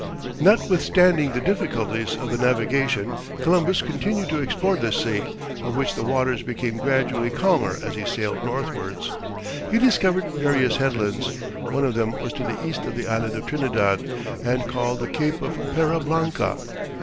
] Notwithstanding the difficulties of the navigation, Columbus continued to explore this sea, of which the waters became gradually calmer as he sailed northwards; he discovered various headlands, one of them was to the east of the Island of Trinidad, and called the Cape of Pera Blanca.